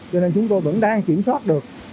cho nên chúng tôi vẫn đang kiểm soát được